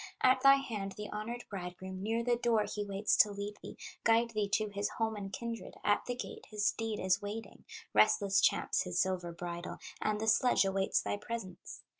At thy hand the honored bridegroom, Near the door he waits to lead thee, Guide thee to his home and kindred; At the gate his steed is waiting, Restless champs his silver bridle, And the sledge awaits thy presence.